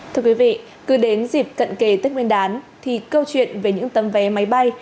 thưa quý vị cứ đến dịp cận kề tết nguyên đán thì câu chuyện về những tấm vé máy bay